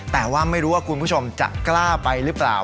แต่ว่าไม่รู้ว่าคุณผู้ชมจะกล้าไปหรือเปล่า